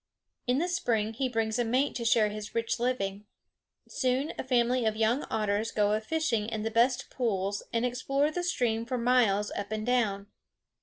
In the spring he brings a mate to share his rich living. Soon a family of young otters go a fishing in the best pools and explore the stream for miles up and down.